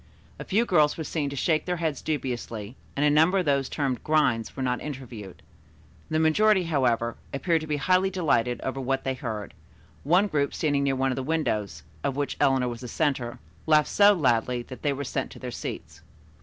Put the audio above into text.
A few girls were seen to shake their heads dubiously, and a number of those termed "grinds" were not interviewed. The majority, however, appeared to be highly delighted over what they heard, one group standing near one of the windows, of which Eleanor was the center, laughed so loudly that they were sent to their seats.